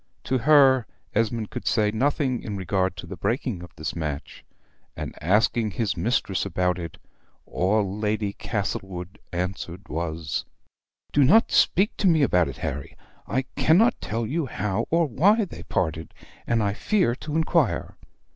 To her Esmond could say nothing in regard to the breaking of this match; and, asking his mistress about it, all Lady Castlewood answered was: "do not speak to me about it, Harry. I cannot tell you how or why they parted, and I fear to inquire.